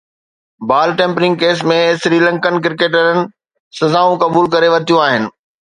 بال tampering case ۾ Sri Lankan ڪرڪيٽرن سزائون قبول ڪري ورتيون آهن